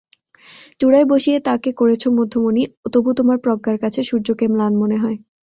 চূড়ায় বসিয়ে তাকে করেছ মধ্যমণি, তবুতোমার প্রজ্ঞার কাছে সূর্যকে ম্লান মনে হয়।